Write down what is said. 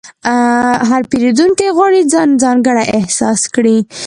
هر پیرودونکی غواړي ځان ځانګړی احساس کړي.